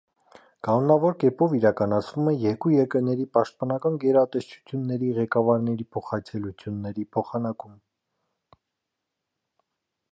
Կանոնավոր կերպով իրականացվում է երկու երկրների պաշտպանական գերատեսչությունների ղեկավարների փոխայցելությունների փոխանակում։